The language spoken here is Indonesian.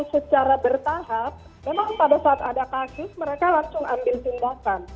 secara bertahap memang pada saat ada kasus mereka langsung ambil tindakan